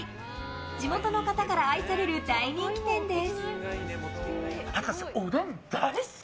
地元の方から愛される大人気店です。